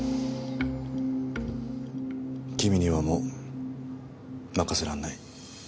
君にはもう任せらんない。